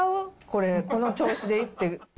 これ、この調子でいって。